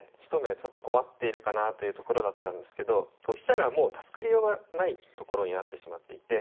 ちょっと困っているかなというところだったんですけど飛車がもう助かりようがないところになってしまっていて。